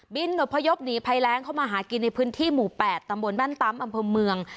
หนพยพหนีภัยแรงเข้ามาหากินในพื้นที่หมู่๘ตำบลบ้านตำอำเภอเมือง